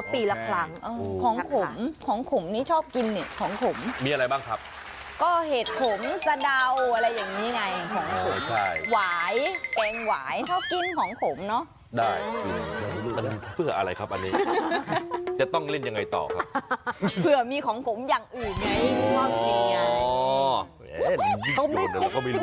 เพิ่มคืดถ่ายเลยนะก็อย่ารู้สิการรสชาติมันยังไง